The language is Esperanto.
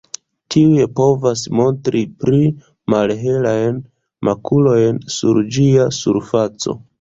Tiuj povas montri pli malhelajn makulojn sur ĝia surfaco.